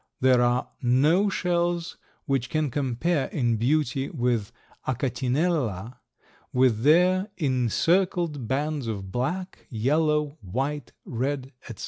There are no shells which can compare in beauty with the Achatinella with their encircled bands of black, yellow, white, red, etc.